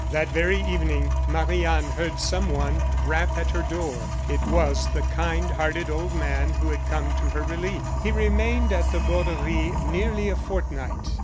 That very evening Marie Anne heard someone rap at her door. It was the kind hearted old man who had come to her relief. He remained at the Borderie nearly a fortnight.